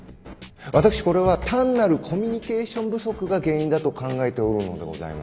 私これは単なるコミュニケーション不足が原因だと考えておるのでございます。